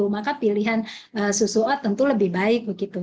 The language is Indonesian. maka pilihan susu a tentu lebih baik begitu